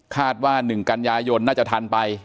คาดว่าหนึ่งกัญญายนน่าจะทันไป